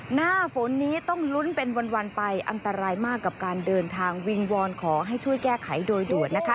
หน้าฝนนี้ต้องลุ้นเป็นวันไปอันตรายมากกับการเดินทางวิงวอนขอให้ช่วยแก้ไขโดยด่วนนะคะ